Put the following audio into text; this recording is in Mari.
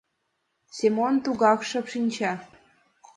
Семон тугак шып шинча.